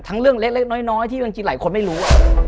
เรื่องเล็กน้อยที่บางทีหลายคนไม่รู้